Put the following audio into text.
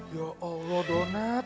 ya allah donat